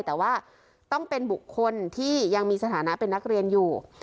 แต่ว่าต้องเป็นบุคคลที่ยังมีสถานะเป็นนักเรียนอยู่